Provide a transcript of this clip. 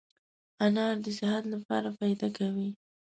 انار دي صحت لپاره فایده کوي